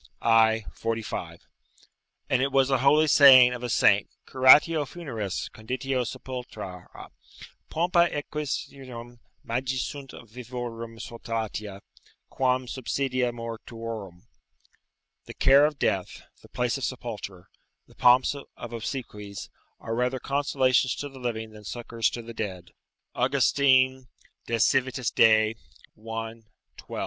i. 45.] and it was a holy saying of a saint, "Curatio funeris, conditio sepultura: pompa exequiarum, magis sunt vivorum solatia, quam subsidia mortuorum." ["The care of death, the place of sepulture, the pomps of obsequies, are rather consolations to the living than succours to the dead." August. De Civit. Dei, i. 12.